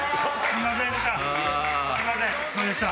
すんませんでした！